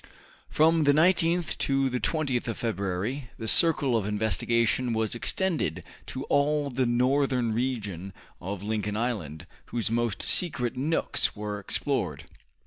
From the 19th to the 20th of February the circle of investigation was extended to all the northern region of Lincoln Island, whose most secret nooks were explored.